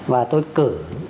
và tôi cử